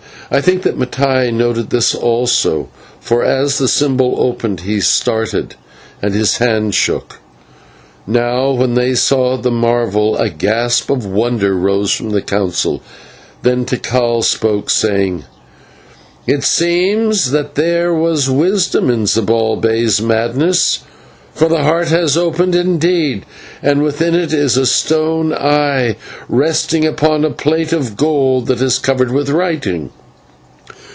I think that Mattai noted this also, for as the symbol opened he started and his hand shook. Now, when they saw the marvel, a gasp of wonder rose from the Council, then Tikal spoke, saying: "It seems that there was wisdom in Zibalbay's madness, for the Heart has opened indeed, and within it is a stone eye resting upon a plate of gold that is covered with writing."